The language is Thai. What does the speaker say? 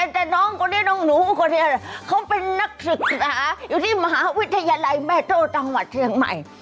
แต่น้องคนนี้น้องหนูคนนี้เขาเป็นนักศึกษาอยู่ที่มหาวิทยาลัยแม่โจ้จังหวัดเชียงใหม่